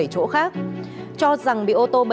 bảy chỗ khác cho rằng bị ô tô